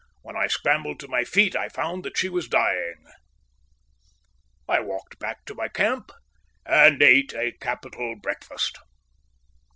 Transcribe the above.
When I scrambled to my feet I found that she was dying. I walked back to my camp and ate a capital breakfast."